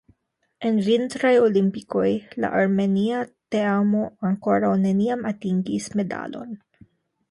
En Vintraj Olimpikoj la armenia teamo ankoraŭ neniam atingis medalon.